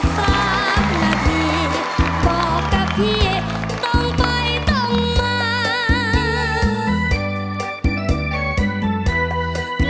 สามนาทีบอกกับพี่ต้องไปต้องมา